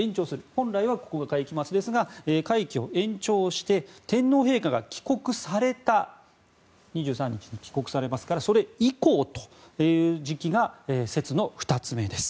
本来は２１が会期末ですが会期を延長して天皇陛下が帰国された２３日に帰国されるのでそれ以降という時期が説の２つ目です。